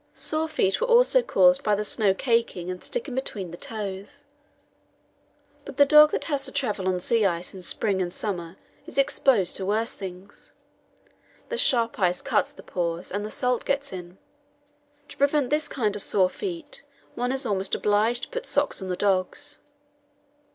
Sore feet were also caused by the snow caking and sticking between the toes. But the dog that has to travel on sea ice in spring and summer is exposed to worse things the sharp ice cuts the paws and the salt gets in. To prevent this kind of sore feet one is almost obliged to put socks on the dogs.